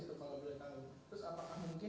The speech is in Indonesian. untuk kegiatan bergurau gurau ini